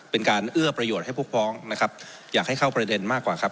เป็นการเอื้อประโยชน์ให้พวกพ้องนะครับอยากให้เข้าประเด็นมากกว่าครับ